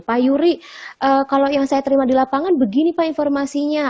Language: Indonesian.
pak yuri kalau yang saya terima di lapangan begini pak informasinya